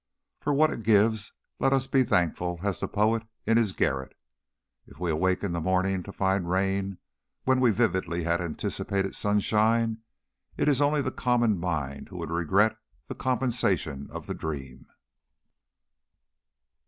For what it gives let us be as thankful as the poet in his garret. If we awake in the morning to find rain when we vividly had anticipated sunshine, it is only the common mind who would regret the compensation of the dream."